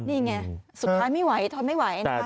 นี่ไงสุดท้ายไม่ไหวทนไม่ไหวนะคะ